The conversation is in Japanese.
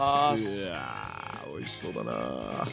うわおいしそうだな。